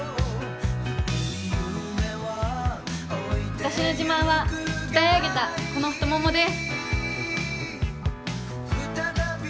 私の自慢は鍛え上げた、この太ももです。